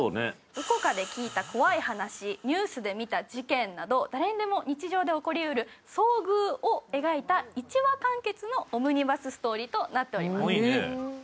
どこかで聞いた怖い話、ニュースで見た事件など誰にでも日常に起こりうる遭遇を描いた１話完結のオムニバスストーリーとなっております。